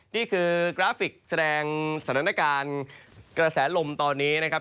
นี่คือกราฟิกแสดงสถานการณ์กระแสลมตอนนี้นะครับ